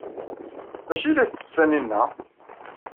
D acu ay la tettett Taninna?